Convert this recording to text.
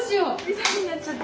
緑になっちゃった。